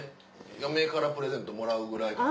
嫁からプレゼントもらうぐらいかな。